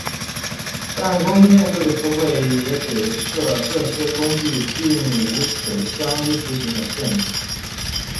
但工具链这个词汇也可指涉这些工具并无此相依执行的限制。